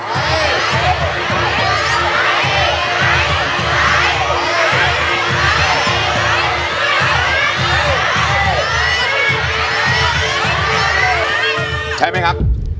ไม่ใช้ค่ะ